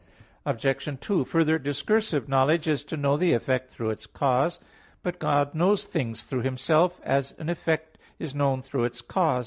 Obj. 2: Further, discursive knowledge is to know the effect through its cause. But God knows things through Himself; as an effect (is known) through its cause.